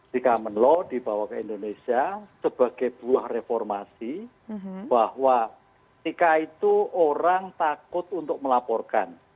di common law dibawa ke indonesia sebagai buah reformasi bahwa ketika itu orang takut untuk melaporkan